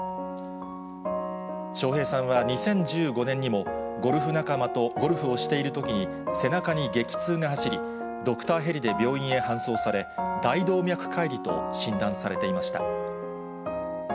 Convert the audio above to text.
笑瓶さんは２０１５年にも、ゴルフ仲間とゴルフをしているときに、背中に激痛が走り、ドクターヘリで病院へ搬送され、大動脈解離と診断されていました。